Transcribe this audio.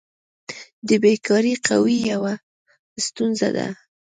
د بیکاري قوي یوه ستونزه ده.